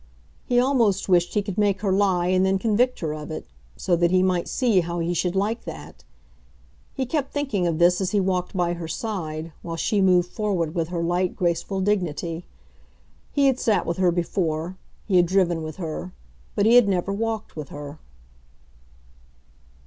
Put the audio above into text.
He almost wished he could make her lie and then convict her of it, so that he might see how he should like that. He kept thinking of this as he walked by her side, while she moved forward with her light, graceful dignity. He had sat with her before; he had driven with her; but he had never walked with her.